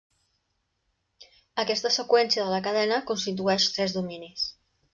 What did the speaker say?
Aquesta seqüència de la cadena constitueix tres dominis.